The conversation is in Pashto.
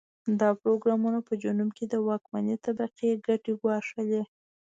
دا پروګرامونه په جنوب کې د واکمنې طبقې ګټې ګواښلې.